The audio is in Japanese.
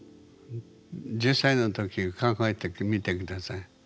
１０歳の時考えてみて下さい。